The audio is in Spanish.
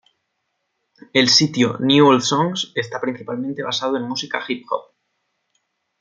El sonido de "New Old Songs" está principalmente basado en música hip hop.